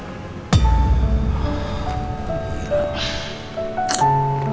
dengan dia sekarang